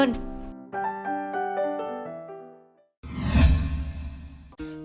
bốn tinh trùng